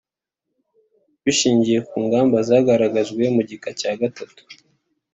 bishingiye ku ngamba zagaragajwe mu gika cya gatatu ;